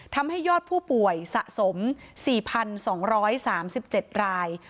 ทำให้ยอดผู้ป่วยสะสม๔๒๓๗ราย